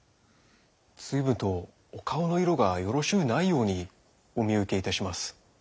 随分とお顔の色がよろしうないようにお見受けいたします。